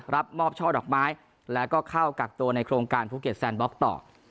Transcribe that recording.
รับมอบช่อดอกไม้แล้วก็เข้ากักตัวในโครงการภูเก็ตแซนบล็อกต่อ